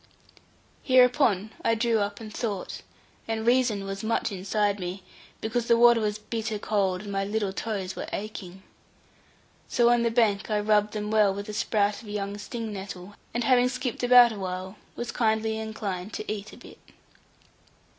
Hereupon I drew up and thought, and reason was much inside me; because the water was bitter cold, and my little toes were aching. So on the bank I rubbed them well with a sprout of young sting nettle, and having skipped about awhile, was kindly inclined to eat a bit.